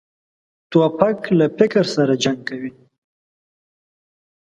توپک له فکر سره جنګ کوي.